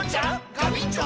ガビンチョ！